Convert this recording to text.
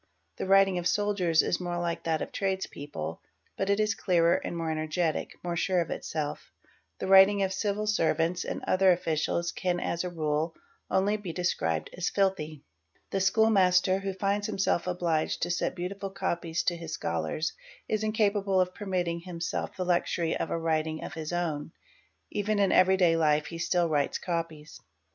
The writing of soldiers is more like that of trades pple but it is clearer and more energetic,—more sure of itself. The f iting of civil servants and other officials can as a rule only be des wibed as "filthy." The school master, who finds himself obliged to set beautiful copies to his scholars, is incapable of permitting himself the wm Qos SE BE Xury of a writing of his own; even in everyday life he still writes = es.